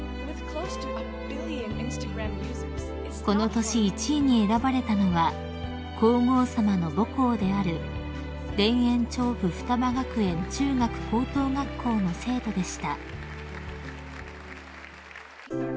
［この年１位に選ばれたのは皇后さまの母校である田園調布雙葉学園中学・高等学校の生徒でした］